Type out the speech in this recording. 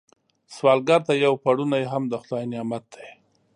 سوالګر ته یو پړونی هم د خدای نعمت دی